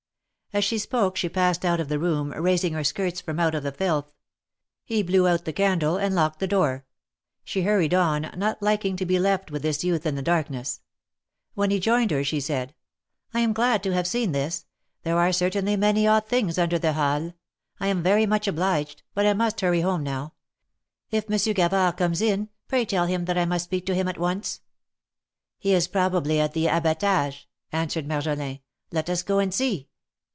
As she spoke she passed out of the room, raising her skirts from out of the filth. He blew out the candle, and locked the door. She hurried on, not liking to be left with this youth in the darkness. When he joined her, she said : ''I am glad to have seen this. There are certainly many odd things under the Halles. I am very much obliged, but I must hurry home now. If Monsieur THE MARKETS OF PARIS. 205 Gavard comes in, pray tell him that I must speak to him at once/' ^'He is probably at the ^Abatage,^^^ answered Marjolin. Let us go and see."